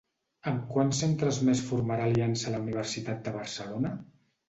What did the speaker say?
Amb quants centres més formarà aliança la Universitat de Barcelona?